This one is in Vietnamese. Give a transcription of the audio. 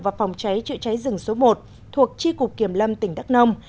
và phòng cháy chữa cháy rừng số một thuộc tri cục kiểm lâm tỉnh đắk nông